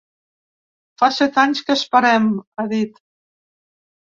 “Fa set anys que esperem”, ha dit.